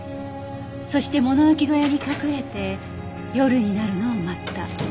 そして物置小屋に隠れて夜になるのを待った。